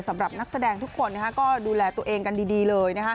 สำหรับนักแสดงทุกคนก็ดูแลตัวเองกันดีเลย